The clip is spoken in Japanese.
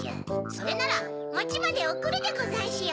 それならまちまでおくるでござんしゅよ。